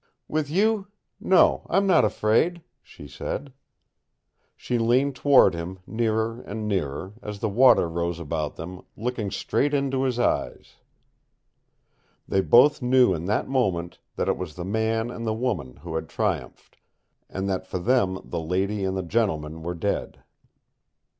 "With you no, I'm not afraid," she said. She leaned toward him, nearer and nearer, as the water rose about them, looking straight into his eyes. They both knew in that moment that it was the man and the woman who had triumphed, and that for them the lady and the gentleman were dead.